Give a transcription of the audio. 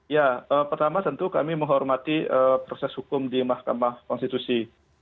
ya pertama tentu kami menghormati proses hukum di mahkamah konstitusi